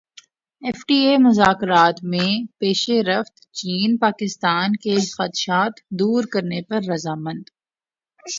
F T A مذاکرات میں پیش رفت چین پاکستان کے خدشات دور کرنے پر رضامند